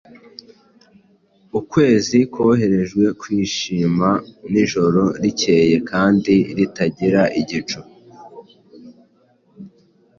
Ukwezi kworoheje kwishima nijoro rikeye kandi ritagira igicu,